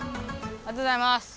ありがとうございます。